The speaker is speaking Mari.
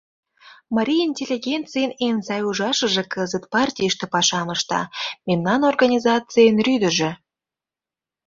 Марий интеллигенцийын эн сай ужашыже кызыт партийыште пашам ышта, мемнан организацийын рӱдыжӧ...